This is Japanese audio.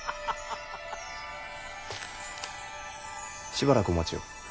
しばらくお待ちを。